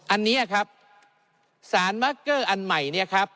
อันนี้ครับสารมาร์คเกอร์อันใหม่เนี่ยครับ